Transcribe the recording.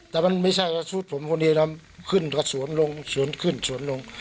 แต่มันไม่ใช่ชุดผมคนเองนะขึ้นดีกว่าสวนลงสวนขึ้นสวนลง